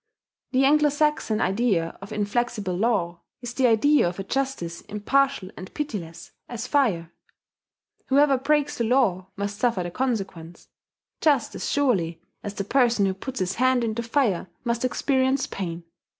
The Anglo Saxon idea of inflexible law is the idea of a justice impartial and pitiless as fire: whoever breaks the law must suffer the consequence, just as surely as the person who puts his hand into fire must experience pain.